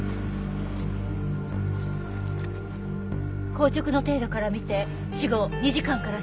硬直の程度から見て死後２時間から３時間。